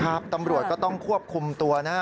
ครับตำรวจก็ต้องควบคุมตัวนะฮะ